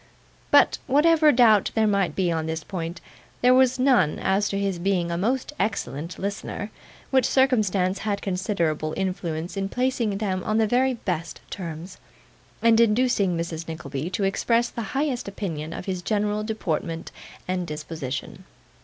But whatever doubt there might be on this point, there was none as to his being a most excellent listener; which circumstance had considerable influence in placing them on the very best terms, and inducing Mrs Nickleby to express the highest opinion of his general deportment and disposition.